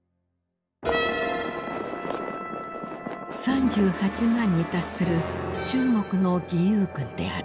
３８万に達する中国の義勇軍である。